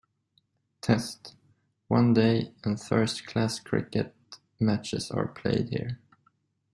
Test, One Day and First class cricket matches are played here.